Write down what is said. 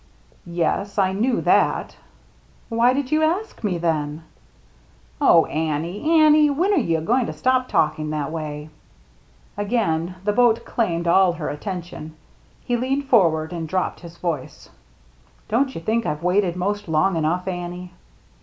"Yes, I knew that" "Why did you ask me, then ?"" Oh, Annie, Annie ! When are you going to stop talking that way ?*' Again the boat claimed all her attention. He leaned forward and dropped his voice. " Don't you think I've waited most long enough, Annie